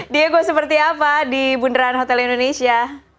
diego seperti apa di bundaran hotel indonesia